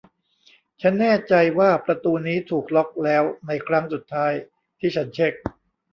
ฉันแน่ใจว่าประตูนี้ถูกล็อคแล้วในครั้งสุดท้ายที่ฉันเช็ค